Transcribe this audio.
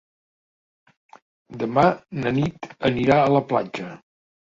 Demà na Nit anirà a la platja.